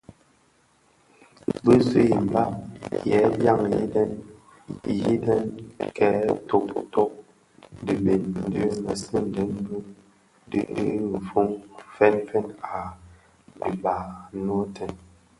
Bi zi i mbam yè dyaň yidëň, kè totök dhibeň di mësiňdèn di fonnë fèn fèn a dhiba a nōōtèn.